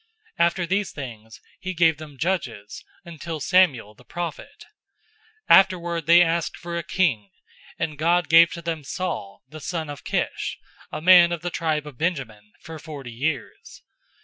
013:020 After these things he gave them judges until Samuel the prophet. 013:021 Afterward they asked for a king, and God gave to them Saul the son of Kish, a man of the tribe of Benjamin, for forty years.